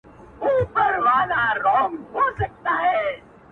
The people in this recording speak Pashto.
له ستوني د لر او بر یو افغان چیغه را وزي -